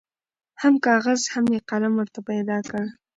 هم کاغذ هم یې قلم ورته پیدا کړ